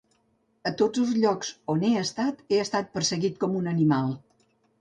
A tots els llocs on he estat, he estat perseguit com un animal.